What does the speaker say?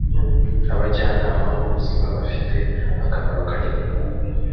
abajyanama b’ubuzima bafite akamaro kanini.